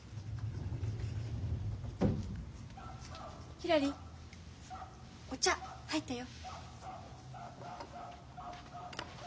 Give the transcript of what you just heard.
ひらりお茶入ったよ。